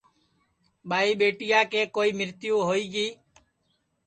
ٻائی ٻیٹیا کے کوئی مرتیو ہوئی گی